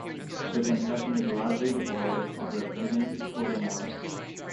The confession is largely devoid of repentance or remorse.